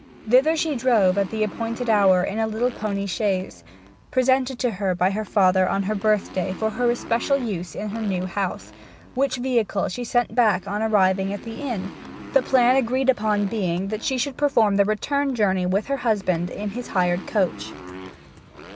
Thither she drove at the appointed hour in a little pony chaise, presented her by her father on her birthday for her especial use in her new house; which vehicle she sent back on arriving at the inn, the plan agreed upon being that she should perform the return journey with her husband in his hired coach.